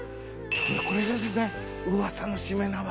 これですねうわさのしめ縄。